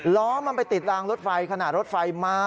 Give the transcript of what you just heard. ล้อมันไปติดรางรถไฟขนาดรถไฟมา